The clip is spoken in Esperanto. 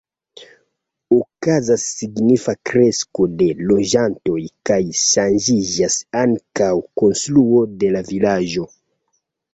Okazas signifa kresko de loĝantoj kaj ŝanĝiĝas ankaŭ konstruo de la vilaĝo.